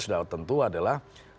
sudah tentu adalah